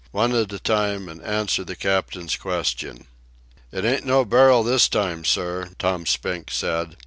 "One at a time, and answer the captain's question." "It ain't no barrel this time, sir," Tom Spink said.